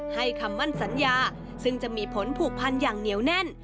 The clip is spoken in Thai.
คำมั่นสัญญาซึ่งจะมีผลผูกพันอย่างเหนียวแน่น